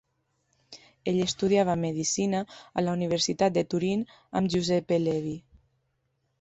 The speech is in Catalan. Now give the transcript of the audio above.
Ell estudiava medicina a la Universitat de Turin amb Giuseppe Levi.